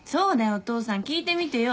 お父さん聞いてみてよ